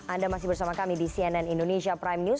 anda masih bersama kami di cnn indonesia prime news